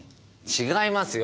違いますよ。